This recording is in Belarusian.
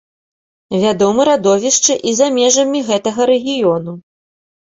Вядомы радовішчы і за межамі гэтага рэгіёну.